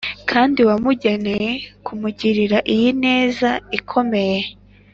kandi wamugeneye kumugirira iyi neza ikomeye